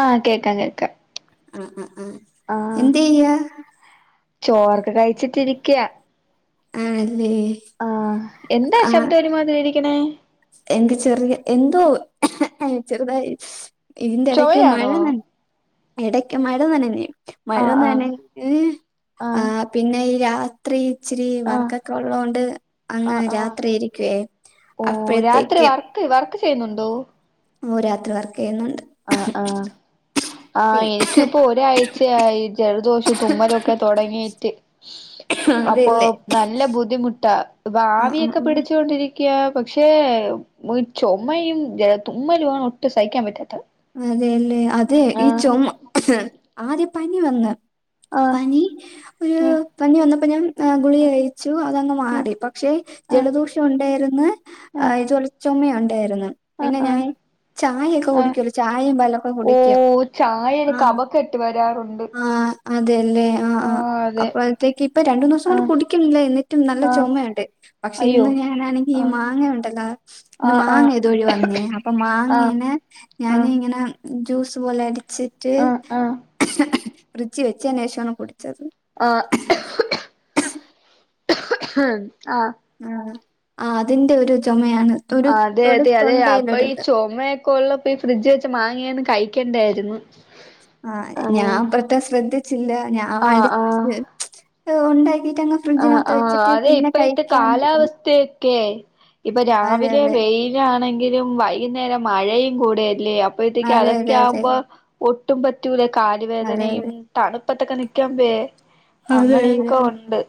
ആഹ് കേക്കാം കേക്കാം ആഹ് ആഹ് ആഹ് എന്ത് ചെയ്യാ ചോറൊക്കെ കഴിച്ചിട്ടിരിക്കയാ ആണല്ലേ ആഹ് എന്താ ശബ്ദം ഒരുമാതിരി ഇരിക്കണേ എനിക്ക് ചെറിയ എന്തോ ചെറുതായി ഇതിന്റെടയ്ക്ക് മഴ ചൊവയാണോ നന ഇടക്ക് മഴ നനഞ്ഞു ആഹ് മഴൊന്ന് ആഹ് നനഞ്ഞു ആഹ് പിന്നെ ഈ രാത്രി ഇച്ചിരി ആഹ് വർക്കൊക്കെ ഉള്ളോണ്ട് അങ്ങ് ആഹ് ആഹ് രാത്രി ഇരിക്കുവേ ഓഹ് രാത്രി അപ്പോഴത്തേക്ക് വർക്ക് വർക്ക് ചെയ്യുന്നുണ്ടോ ഓഹ് രാത്രി വർക്ക് ചെയ്യുന്നുണ്ട് ആഹ് ആഹ് ആ പിന്നെ എനിക്കിപ്പോ ഒരാഴ്ചയായി ജലദോഷം തുമ്മലൊക്കെ തൊടങ്ങിറ്റ് അപ്പൊ അതെല്ലേ നല്ല ബുദ്ധിമുട്ടാ ഇപ്പ ആഹ് ആഹ് ആവിയൊക്കെ ആഹ് പിടിച്ചോകൊണ്ടിരി ക്കെ പക്ഷേ ചുമയും ജല തുമ്മലാണ് ഒട്ടും സഹിക്കാൻ പറ്റാത്ത അതെയല്ലേ അതെ ഈ ചുമ ആദ്യ പനി വന്ന് ആഹ് പനി ഒരു ആഹ് പനി വന്നപ്പോഞ്ഞ ഗുളിക കഴിച്ചു അതങ്ങ് ആഹ് മാറി പക്ഷേ ആഹ് ജലദോഷം ഉണ്ടായിരിന്ന് ആ ഇത് ചൊമ ഉണ്ടായിരുന്നു പിന്നെ ഞാൻ ചായ ഒക്കെ കൂടി ഓഹ് ചായയിൽ ആഹ് കഫകട്ട് വരാറുണ്ട് ആഹ് അതെല്ലേ ആഹ് ആഹ് അപ്പ അത്തേക്ക് ഇപ്പൊ രണ്ടു ദിവസം കൊണ്ട് ആഹ് കുടിക്കണില്ല എന്നിട്ടും നല്ല ആഹ് ചുമയുണ്ട് പക്ഷെ അയ്യോ ഇന്ന് ഞാനാണെങ്കി ഈ ആഹ് മാങ്ങ ഉണ്ടല്ലോ ഇന്ന് ആഹ് ആഹ് മാങ്ങ ഇതോഴി വന്നേ അപ്പൊ ആഹ് മാങ്ങേന ഞാൻ ആഹ് ഇങ്ങനെ ജ്യൂസ് പോലെ അടിച്ചിട്ട് ആഹ് ഫ്രിഡ്ജിൽ വെച്ചതിന് ശേഷമാണ് കുടിച്ചത് ആഹ് ആഹ് ആഹ് ആഹ് അതിന്റെ ഒരു ചുമയാണ് ഒരു അതെ ഒരു അതെ അതെ അപ്പ ഈ തൊണ്ടയിലൊരിത് ചുമ കൊള്ളപ്പോ ഫ്രിഡ്ജ് വെച്ച് മാങ്ങിയന്ന് കഴിക്കണ്ടായിരുന്നു ആഹ് ഞാൻ പത് ശ്രദ്ധിച്ചില്ല ഞാൻ ആഹ് ആഹ് അടിച്ച് ഉണ്ടാക്കിട്ട് അങ്ങ് ആഹ് ഫ്രിഡ്ജിനകത്ത് ആഹ് വെച്ചിട്ട് അതെ പിന്നെ ഇപ്പയെത്തെ കഴിക്കാന്ന് പറഞ്ഞു കാലാവസ്ഥയ ക്കേ ഇപ്പൊ അതെ രാവിലെ അതെ വെയിലാണെങ്കിലും വൈകുന്നേരം മഴയും കൂടെല്ലേ അപ്പഴത്തേക്കും അതെ അതെ അതൊക്കെ അതെ ആകുമ്പോ ഒട്ടും പറ്റൂല കാല് അതെ അതെ വേദനയും തണുപ്പത്തൊക്കെ നിക്കാമ്പെ അങ്ങനെയൊക്കെ ഉണ്ട്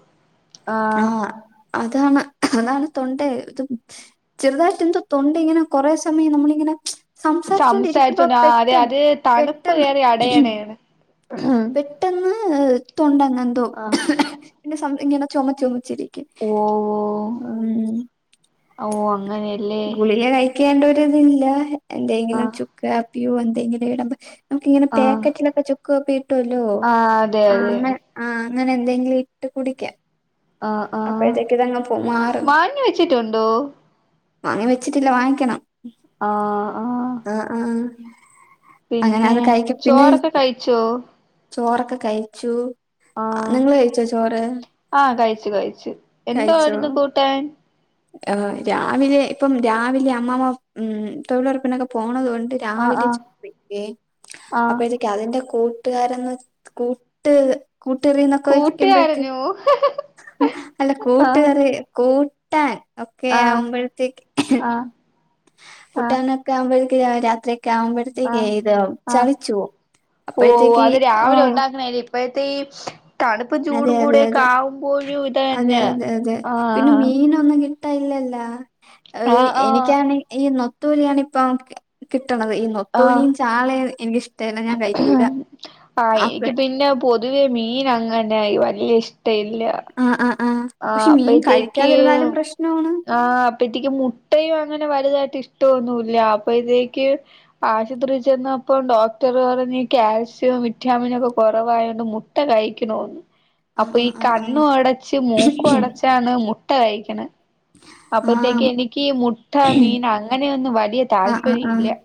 ആഹ് അതാണ് അതാണ് തൊണ്ടേ ഇതും ചെറുതായിട്ട് എന്തുവാ തൊണ്ട ഇങ്ങനെ കുറെ സമയം നമ്മളിങ്ങനെ സംസാരിച്ചോണ്ടിരിക്കുമ്പോ സംസാരിച്ചോണ്ട് ആഹ് അതെ പെട്ടെന്ന് അത് തണുപ്പ് പെട്ടെന്ന് കേറി അടയണേണ് പെട്ടെന്ന് തൊണ്ടങ്ങന്തോ ആഹ് പിന്നെ ഇങ്ങനെ ചുമ ചുമച്ചിരി ഓഹ് ഓ അങ്ങനെയല്ലേ കേണ്ടരിതില്ല എന്തെങ്കിലും ആഹ് ചുക്കാപ്പിയൊ എന്തെങ്കിലും ഇടമ്പ നമുക്കിങ്ങനെ ആഹ് പാക്കറ്റിലൊക്കെ ചുക്കാപ്പി കിട്ടുല്ലോ ആഹ് അതെ ആ അതെ അങ്ങനെ ആഹ് അങ്ങന എന്തെങ്കിലും ഇട്ട് കുടിക്കാ ആഹ് ആഹ് അപ്പഴത്തേക്ക് ഇതങ്ങു പോ മാറും മാങ്ങ വെച്ചിട്ടുണ്ടോ വാങ്ങി വെച്ചിട്ടില്ല വാങ്ങിക്കണം ആഹ് ആഹ് അങ്ങനെ പിന്നെ അത് കഴിക്ക പിന്നെ ചോറൊക്കെ കഴിച്ചോ ചോറൊക്കെ കഴിച്ചു ആഹ് നിങ്ങള് കഴിച്ചോ ചോറ് ആഹ് കഴിച്ച് കഴിച്ച് കഴിച്ചോ ആഹ് രാവിലെ ഇപ്പം രാവിലെ അമ്മാമ്മ ഉം തൊഴിലുറപ്പിനൊക്കെ പോണത് കൊണ്ട് ആഹ് രാവിലെ ആഹ് ചോർ വെക്കെ ആഹ് അപ്പത് അതിന്റെ കൂട്ടുകാരന്ന് കൂട്ട് കൂട്ടുകറിന്നൊക്കെ വക്കുമ്പോഴത്തെ കൂട്ടുകാരനോ അല്ല ആഹ് കൂട്ടുകറി കൂ ട്ടാൻ ഒക്കെ ആഹ് ആവുമ്പഴത്തേക്ക് ആഹ് ആഹ് കുട്ടാന ക്കെ ആവുമ്പഴേക്ക രാത്രിക്ക ആകുമ്പഴേ ആഹ് തികേയ്ത ആഹ് ചളിച്ചു അപ്പഴത്തേക്ക് ആഹ് അപ്പഴതേ തണുപ്പും അതെ ചൂടും അതെ കൂടെക്കെ അതെ ആകുമ്പോഴും ഇത് അതെ തന്നെ ആഹ് ത്ത ഇല്ലല്ല ആഹ് ആഹ് എനിക്കാണ് ഈ നൊത്തൂലിയാണ് ഇപ്പം കി കിട്ടണത് ഈ ആഹ് നൊത്തോലിയും ചാളയും എനിക്ക് ഇഷ്ടമല്ല ഞാൻ കഴി ആഹ് എനിക്ക് പിന്നെ പൊതുവെ മീന് അങ്ങനെയി വല്യ ഇഷ്ടമല്ല ആഹ് ആഹ് ആഹ് പക്ഷെ മീൻ കഴിക്കാതിരുന്നാലും പ്രശ്നമാണ് അപ്പത്തേക്ക് മുട്ടയും അങ്ങനെ വലുതായിട്ട് ഇഷ്ടമൊന്നുമില്ല്യ അപ്പയ്തേക്ക് ആശുപത്രിയിൽ ചെന്നപ്പം ഡോക്ടർ പറഞ്ഞ് കാൽസ്യം വിറ്റാമിന ഒക്കെ കുറവായത് കൊണ്ട് മു ട്ട കഴിക്കണോന്ന് ആ അപ്പൊ ആ ഈ ആ ആ കണ്ണും അടച്ച് മൂക്കും അടച്ചാണ് മുട്ട കഴിക്കണെ ആ അപ്പത്തേക്ക് എനിക്കി മുട്ട മീൻ അങ്ങനെയൊന്ന് വലിയ ആഹ് ആഹ് താല്പര്യം ആഹ് ഇല്ല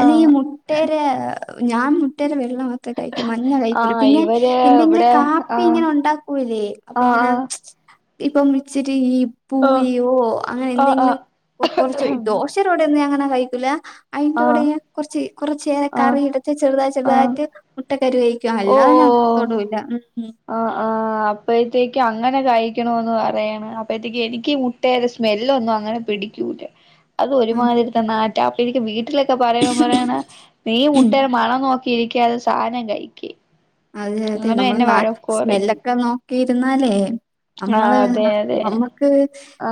അല്ല ഈ മുട്ടേരെ ഞാൻ മുട്ടേരെ വെള്ളമാത് ത്ര കഴിക്കു മഞ്ഞ ആ കഴിക്കൂല പിന്നെ ഇവര് എന്തെങ്കിലും ഇവിടെ ആ കാപ്പി ഇങ്ങനെ ഒണ്ടാക്കൂലേ അപ്പൊ ആ ഇങ്ങന ഇപ്പൊ ഇച്ചിരി ഈ ആ ആ പൂയിയോ അങ്ങനെ ആ എന്തെങ്കിലും കൊറച്ച് ദോശേടൂടെന്നു ഞാനങ്ങനെ കഴിക്കൂല ആ അയിന്റൂടെയ ആ കൊറച്ച് കൊറച്ചേറെ ആ കറിയെട്ത്ത് ചെറുതായി ആ ചെറുതായിട്ട് മുട്ടകരു കഴിക്കു അല്ലാതെ ഞാൻ തൊടൂല്ല ഉം ആഹ് ആഹ് ആഹ് അപ്പഴത്തേക്ക് അങ്ങനെ കഴിക്കണോന്ന് പറയണ് അപ്പഴത്തേക്ക് എനിക്കീ മുട്ടേടെ സ്മെലൊന്നും അങ്ങനെ പിടി ക്കൂല അതൊരുമാതിരിത്തെ നാറ്റ അപ്പൊ എനിക്ക് വീട്ടിലൊക്കെ പറയമ്പ പറയാണ് നി ഉം മുട്ടേടെ മണം നോക്കി ഇരിക്കാതെ സാനം കഴിക്ക് അതെ അതെ അങ്ങനെ നമ്മൾ എന്നെ ന വഴക്ക് പറയും സ്മെല്ലക്ക നോ ഇരുന്നാലേ ആ നമ്മള് അതെ അതെ നമ്മക്ക് ആ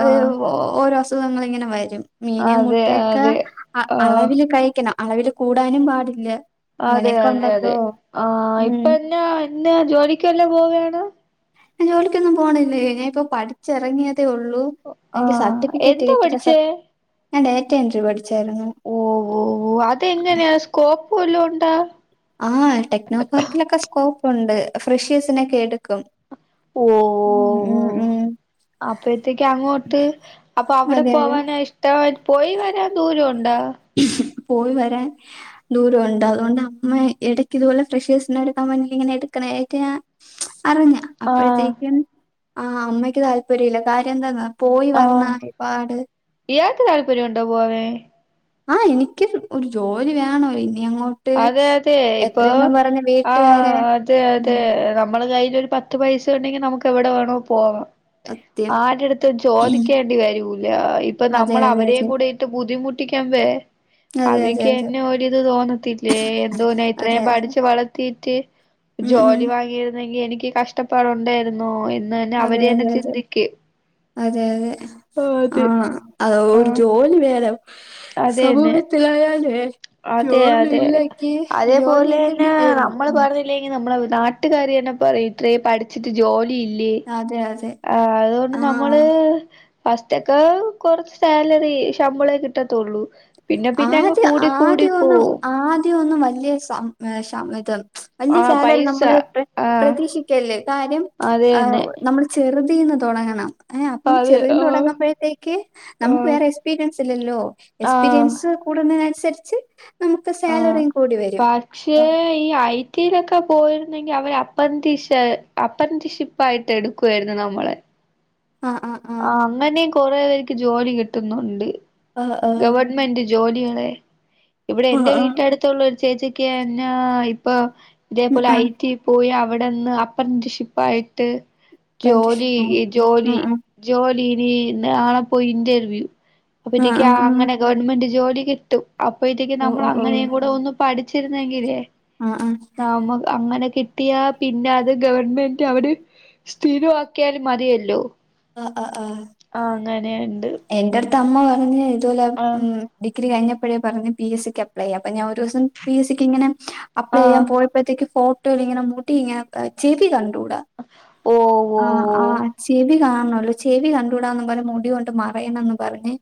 ഓരൊ അസ് നമ്മളിങ്ങനെ വരും മീനു അതെ മുട്ടയൊക്ക അതെ അ ആ അളവില് കഴിക്കണം അളവില് കൂടാനും പാടില്ല അതെ അങ്ങനെയൊക്കെ അതെ ഉണ്ടല്ലോ അതെ ആഹ് ഉം ഇപ്പെന്ന എന്നാ ജോലിക്കുവെല്ലോ പോവാണ ജോലിക്കൊന്നും പോണില്ലേ ഞാനിപ്പ പഠിച്ചെറങ്ങിയതെ ഒള്ളൂ ആ എനിക്ക് സർട്ടിഫിക്കറ്റ് എന്താ കിട്ടീല്ല സ പഠിച്ചേ ഞാൻ ഡേറ്റ എൻട്രി പഠിച്ചാരുന്നു ഓഹ് ഓഹ് ഓഹ് അതെങ്ങെനെയാ സ്കോപ്പ് വല്ലോം ഒണ്ടാ ആഹ് ടെക്നൊ പാർക്കിലൊക്കെ സ്കോപ്പൊണ്ട് ഫ്രഷ്യേഴ്സിനെക്കെ എടുക്കും ഓഹ് ഉം ഓഹ് ഹോ ഉം ഉം അപ്പഴത്തേക്ക് അങ്ങോട്ട് അപ്പൊ അവിടെ അതെ അതെ പോവാന ഇഷ്ടം പോയി വരാൻ ദൂരൊണ്ടാ പോയി വരാൻ ദൂരവൊണ്ട് അതോണ്ട മ എടക്ക് ഇതുപോലെ ഫ്രഷേസിനെ കമ്പനീലിങ്ങനെ എടുക്കണായിട്ട് ഞാൻ അറിഞ്ഞ ആഹ് അപ്പഴത്തേക്കും ആഹ് അമ്മയ്ക്ക് താല്പര്യില്ല കാര്യം എന്താന്നാ പോയി ആഹ് വരണപാട് ഇയാക്ക് താല്പര്യൊണ്ടോ പോവെൻ ആഹ് എനിക്ക് ഒരു ജോലി വേണോ ഇനി അങ്ങോ അതെ അതെ ഇപ്പൊ ആഹ് വീട്ടുകാരെ അതെ അതെ ഉം നമ്മള് കയ്യ്ലൊര് പത്ത് ത്ത് പൈസ ഒണ്ടെങ്കി നമുക്ക് എവിടെ വേണോ പോവാം സത്യം. ആരടുത്തും ഉം. ചോദിക്കേണ്ടി വരൂല ഇപ്പൊ അതെ നമ്മൾ അതെ അവരേം അതെ. കൂടി ഇട്ട് ബുദ്ധിമുട്ടിക്കമ്പെ അതെ അതെ അതെ. അവിക്കന്നെ ഒരിത് തോന്നത്തി എന്തോന്ന് അതെ ഇത്രേം അതെ. പഠിച്ച് വളത്തീട്ട് ഉം ഉം. ജോലിവാങ്ങി രുന്നെങ്കി എനിക്ക് കഷ്ടപ്പാടുണ്ടേരുന്നോ എന്ന്തന്നെ അതെ അവരന്നെ അതെ ചിന്തിക്ക് അതെ അതെ ആഹ് അതെ ആ ഒരു ജോലി വേണം അതെന്നെ സമൂഹത്തിലായാലുവെ അതെ അതെ ജോലി അതേപോലെന്നെ ഇല്ലെങ്കി തീർന്നു. നമ്മള് ഉം. പറ ഞ്ഞില്ലങ്കി നമ്മളെ നാട്ടുകാരന്നെ പറയും ഇത്രേം പഠി ച്ചിട്ട് ജോലിയില്ലേ അതെ അതെ. ആഹ് അതുകൊണ്ട് ആ. നമ്മള് ഫസ്റ്റൊക്ക് കൊറച്ച് സാലറി ശമ്പളേ കിട്ടത്തുള്ളൂ പിന്നെ പിന്നെ അങ്ങ് കൂടി ടിപ്പോവും ആദ്യ ഒന്നും വലിയ സം ഏഹ് ശം ഇത് വല്യ ആ സാലറി പൈസ നമ്മള് പ്ര ആ പ്രതീക്ഷിക്കല്ല് കാര്യം അത് തന്നെ നമ്മള് ചെറ്തീന്ന് തൊടങ്ങണം ഏഹ് അപ്പം അത് ചെറുതീന്ന് ആഹ് തൊടങ്ങമ്പഴത്തേക്ക് നമുക്ക് ആഹ് വേറെ എക്സ്പീരിയൻസ് ഇല്ലല്ലോ എസ് ആഹ് കൂടണതന്സരിച്ച് നമക്ക് ആഹ് സാലറിം കൂടി വരും പക്ഷേ അപ്പം ഈ ഐ ടിലൊക്കെ പോയിരുന്നെങ്കി അവര് അപ്പ്രറ്റീഷ് അപ്പ്രറ്റിഷി സുകായിട്ട് എടുക്കുവായിരുന്നു നമ്മളെ ആഹ് ആഹ് ആഹ് അങ്ങനെ കൊറേ പേർക്ക് ജോലി കിട്ടുന്നുണ്ട് അഹ് അഹ് ഗവണ്മെന്റ് ജോലിയണെ ഇവിടെ ആഹ് എന്റെ ആഹ് വീട്ട്ന്റെടുത്ത് ള്ള ഒരു ചേച്ചിക്ക്‌ ന്നാ ഇപ്പൊ ഉം ഇതേപോലെ ആഹ് ആഹ് ആഹ് ആഹ് ഐ ടി പോയി അവിടെന്ന് അപ്രന്റിഷിപ്പായിട്ട് ജോലി ഈ ജോലി ആഹ് ആഹ് ജോലിനി നാളെപ്പൊ ഇന്റർവ്യൂ അപ്പത്തേക്ക് ആഹ് ആഹ് ആഹ് ആഹ് അങ്ങനെ ഗവൺമെന്റ് ജോലി കിട്ടും അപ്പ ഇതേക്ക് നമ്മൾ ആഹ് അങ്ങനെകൂടെ ഒന്ന് പഠിച്ചിരുന്നെങ്കിലേ നമ്മക്ക് അങ്ങനെ കി കിട്ടിയ പിന്നെ അത് ഗവൺമെന്റ് അവിടെ സ്ഥിരമാക്കിയാലും മതിയല്ലോ ആഹ് ആഹ് ആഹ് ആ അങ്ങനെയെണ്ട് എന്റെ അടുത്ത് അമ്മ പറഞ്ഞ ഇതുപോലെ ഉം ഡിഗ്രി കഴിഞ്ഞപ്പോഴേ പറഞ് പി എസ് സിക്ക് അപ്ലൈളേയാൻ ഞാൻ ഒരു ദിവസം പി എസ് സിക്ക് ഇങ്ങനെ അപ്ലൈ ആ ചെയ്യാൻ പോയാ ഇപ്പോഴത്തേക്ക് ഫോട്ടോല് ഇങ്ങനെ മുട്ടി ഇങ്ങനെ ചെവി കണ്ടൂടാ ഓ ഓ ആ ഓ ആഹ് ചെവി കാണല്ലോ ചെവി കണ്ടുകൂടാന്ന് പറഞ് മുടി കൊണ്ട് മറയണന്ന് പറഞ്ഞ്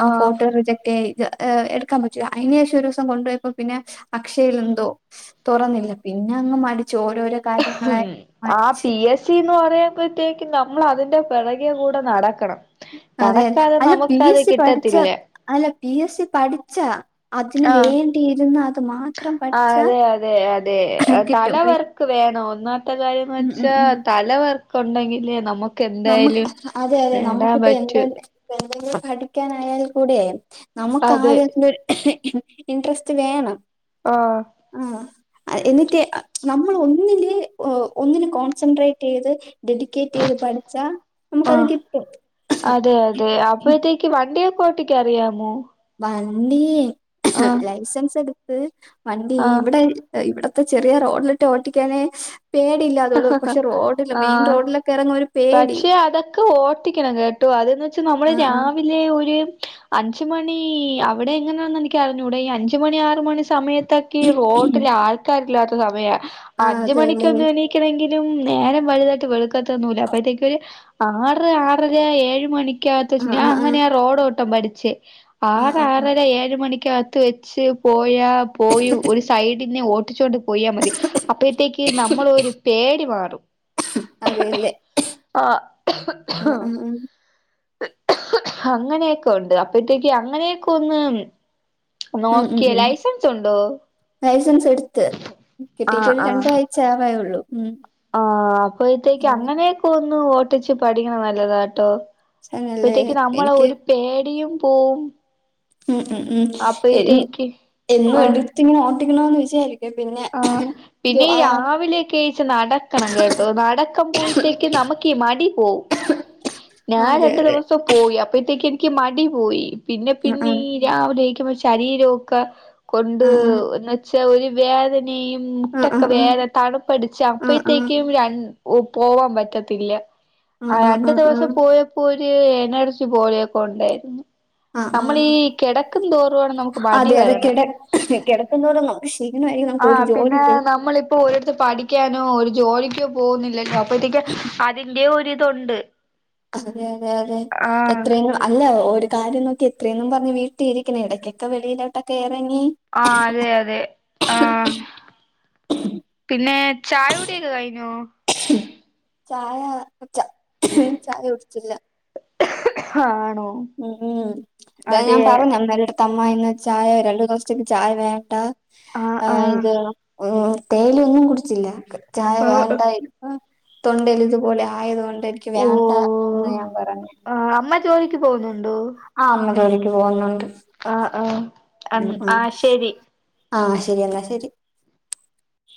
ആ ഫോട്ടോ റിജക്ക്‌റ്റായി എടുക്കാൻ പറ്റൂലാ അയിനഷം ഒരു ദിവസം കൊണ്ടു പോയപ്പോ പിന്നെ അക്ഷയിൽ എന്തോ തൊറന്നില്ല പിന്നെ അങ്ങ് മടിച്ച് ഓരോരോ കാര്യങ്ങളായി ആഹ് മടിച്ച് പി എസ് ച്ചിന്ന് പറയുമ്പോഴത്തേക്കും നമ്മൾ അതിന്റെ പെറകെകൂടെ നടക്കണം അതെ നടക്കാതെ അല്ല പി നമുക്കാത് എസ് സി പഠിച്ച കിട്ടത്തില്ല അല്ല പി എസ് സി പഠിച്ചാ അതിന് ആ വേണ്ടിയിരുന്ന് അത് മാത്രം ആ പഠിച്ചാ അതെ അതെ അതെ കിട്ടും തലവർക്ക് വേണം ഒന്നാത്തെ കാര്യന്ന് ഉം ഉം വെച്ചാ ഉം. തലവർക്ക് ഉണ്ടെങ്കിലേ നമുക്ക് നമ്മുക്ക് എന്തായാലും അതെ അതെ നേടാൻ നമുക്കിപ്പ പറ്റൂ എന്തന്നെ എന്തെങ്കിലും പഠിക്കാനായാൽ കൂടെ നമുക്ക് അതെ ആരാ ഇൻട്രസ്റ്റ് വേണം ആഹ് ആ എന്നിട്ട് നമ്മൾ ഒന്നില് ഒന്നന് കോൺസെൻട്രേ റ്റ്യ്ത് ഡെഡിക്കേറ്റ് ചെയ്ത് പഠിച്ചാ ആ നമുക്കത് കിട്ടും അതെ അതെ അപ്പഴത്തേക്ക് വണ്ടിയൊഒക്കെ ഓട്ടിക്കാറിയാമോ വണ്ടി ലൈസൻസ് എടുത്ത് വണ്ടി ആ ഇവിടെ ഇവിടുത്തെ ചെറിയ റോഡിലിട്ട് ഓട്ടിക്കാന് ആഹ് റോഡിലൊക്കെ ഇറങ്ങുമ്പോ ഒരു പേടി പക്ഷേ അതൊക്കെ ഓട്ടിക്കണം കെ ട്ടോ അതന്ന് വെച്ചാ നമ്മള് ആ ആ രാവിലെ ഒര് അഞ്ച് മണി അവിടെ എങ്ങനാണെന്ന് എനക്ക് അറിഞ്ഞൂട ഈ അഞ്ച് മണി ആറ് മണി സമയത് ത്തെക്ക്‌ റോട്ടിൽ ആൾക്കാർ ഇല്ലാത്ത സമയ ആ അഞ്ച് മണിക്ക് അതെല്ലേ എണീ ണെങ്കിലും നേരം വലുതായിട്ട് വെളക്കത്തൊന്നുല്ല അപ്പഴത്തേക്ക ഒര് ആറ് ആറര ഏഴ് മണിക്ക ആ ആകത്ത്ച്ച ഞാൻ ആ ആ അങ്ങനെ റോഡോട്ടം പഠിചെ ആ ആറ് ആ ആ ആറര ഏഴ് മണിക്കകത്ത് വെച്ച് പോയാ പോയി ഒരു സൈഡ് പിന്നെ ഓട്ടിച്ചോണ്ട് പോയാൽ മതി അപ്പോഴത്തേക്ക് നമ്മളരു പേടി മാറും അതെല്ലേ ആഹ് ആ ആ ആ അങ്ങനെയൊക്കെ ഉണ്ട് അപ്പഴത്തേക്ക് അങ്ങനെയൊക്കെ ഒന്ന് ഉം ഉം നോക്കിയേ ഉം ലൈസൻസ് ഉണ്ടോ ലൈസൻസ് എടുത്ത് കിട്ടീട്ട് ആഹ് ഒരു ആഹ് രണ്ടാഴ്ച ആവയുള്ളൂ ഉം ആഹ് അപ്പഴത്തേക്ക് അങ്ങനെയൊക്കെ ഒന്ന് ഓട്ടിച്ച് പഠിക്കണ നല്ലതാട്ടോ അങ്ങനെല്ലേ അപ്പഴത്തേക്ക് നമ്മളെ എനിക്ക് ഒരു പേടിയും പോവും ഉം ഉം ഉം അപ്പഴത്തേക്ക് എന്നും ആഹ് എടുത്തിങ്ങനെ ഓട്ടിക്കണമന്ന് വിചാരിക്കും പിന്നെ ആഹ് ജോ പിന്നെ ആ രാവിലെയൊക്കെണീച്ച് നടക്കണം കേട്ടോ നടക്കം പോയിത്തേക്ക് നമ്മക്ക് ഈ മടി പോവും ആ, ഞാൻ അതെ രണ്ട് അതെ ദിവസം പോയി അപ്പഴെത്തേക്ക് എനിക്ക് മടി പോയി പിന്നെ ആ ആ പിന്നെ ഈ രാവിലെ എണീക്കുമ്പം ശരീരോക്ക കൊണ്ട് ആ എന്ന് വെച്ചാ ഒരു വ്യെദ നേം ആ ആ മുട്ടൊക്കെ ആ വേഗം തണുപഠിച്ച് ആ ആ ആ അപ്പെയെത്തേക്കും ര ഒ പോവാൻ പറ്റത്തില്ല ആ ആഹ് രണ്ടു ആ ദിവസം പോയ പ്പോ ഒര് എനർജി പോലെയൊക്കണ്ടായിരുന്നു ആ ആ ആ നമ്മളി ഈ കെടക്ക്‌ൻതോറു ആണ് നമുക്ക് മടി വരണെ കെടക്കും തോറും നമുക്ക് ക്ഷീണായിരിക്കും നമുക്ക് ഒരു ജോലി ചെ ഇപ്പോ ഒരിട്ത്ത് പഠിക്കാനോ ഒരു ജോലിക്കോ പോകുന്നില്ലല്ലോ അപ്പോത്തെക്ക് അതിന്റെ ഒരിതുണ്ട് അതെ അതെ അതെ ആ എത്രയിനാ അല്ല ഒരു കാര്യം നോക്കി എത്രയാന്നും പറഞ്ഞ് വീട്ടിൽ ഇരിക്ക്‌ന്നെ എടക്കെക്ക വെളിയിലോട്ടൊക്കെ എറങ്ങി ആഹ് അതെ അതെ ആഹ് പിന്നെ ചായ കുടിയോക്കെ കഴിഞ്ഞോ ചായ ച്ച ചായ കുട്ച്ചില്ല ആണോ ഉം ഉം തെ അതെ ഞാൻ പറഞ്ഞ് അമ്മേട്ത്ത് അമ്മ ഇന്ന് ചായ രണ്ടു ദിവസത്തേക്ക് ചായ വേണ്ടാ ആഹ് ഇത് ഉം തേയിലെ ഒന്നും കുടിച്ചില്ല ചായ ആഹ് വേണ്ടായിനും ഉം തൊണ്ടൽ ഇതുപോലെ ആയത് കൊണ്ട് എനിക്ക് ഓ വ്യെണ്ടാ എന്ന് ഞാൻ പറഞ്ഞ് ആഹ് അമ്മ ജോലിക്ക് പോകുന്ന്ണ്ടോ ആഹ് അമ്മ ജോലിക്ക് പോകുന്നുണ്ട് ആഹ് ആഹ് ഉം ഉം ആഹ് ശരി ആഹ് ശരിയല്ലേ എന്നാ ശരി